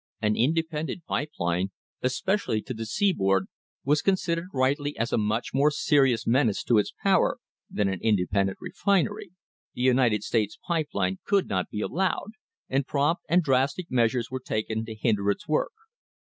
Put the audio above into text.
An independent pipe line, especially to the seaboard, was con sidered rightly as a much more serious menace to its power than an independent refinery. The United States Pipe Line could not be allowed, and prompt and drastic measures were taken to hinder its work.